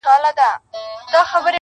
وریې کړو انسان ته چې حامل د خلافت دی